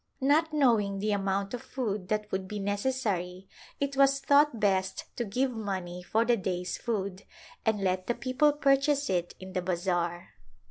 Not knowing the amount of food that would be necessary it was thought best to give money for the day's food and let the peo ple purchase it in the bazar.